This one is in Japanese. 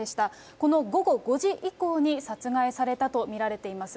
この午後５時以降に殺害されたと見られています。